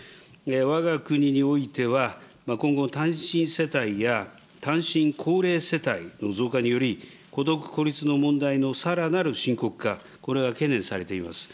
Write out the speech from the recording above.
わが国においては今後、単身世帯や単身高齢世帯の増加により、孤独・孤立の問題のさらなる深刻化、これは懸念されています。